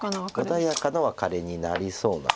穏やかなワカレになりそうな。